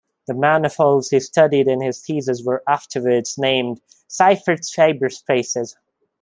The manifolds he studied in his thesis were afterwards named Seifert fiber spaces.